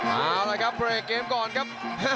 เอาละครับเบรกเกมก่อนครับ